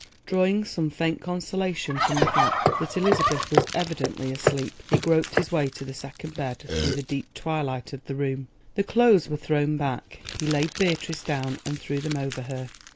Drawing some faint consolation from the fact that Elizabeth was evidently asleep, he groped his way to the second bed through the deep twilight of the room. The clothes were thrown back. He laid Beatrice down and threw them over her.